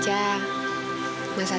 kayaknya lu wellington kan